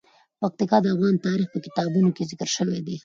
پکتیکا د افغان تاریخ په کتابونو کې ذکر شوی دي.